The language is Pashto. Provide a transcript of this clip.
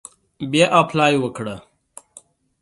بیا اپلای وکړه.